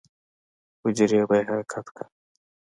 حجرې به يې حرکت کا.